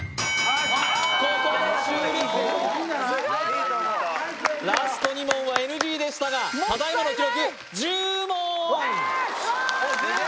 ここで終了ラスト２問はＮＧでしたがもったいないただいまの記録１０問！